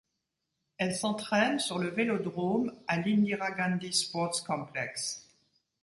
Elle s'entraîne sur le vélodrome à l'Indira Gandhi Sports Complex.